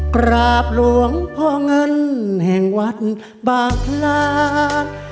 กราบหลวงพ่อเงินแห่งวัดบางพลาน